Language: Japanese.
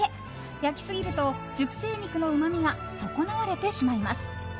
焼きすぎると熟成肉のうまみが損なわれてしまいます。